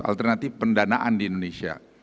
alternatif pendanaan di indonesia